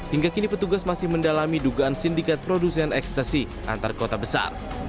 hingga kini petugas masih mendalami dugaan sindikat produsen ekstasi antar kota besar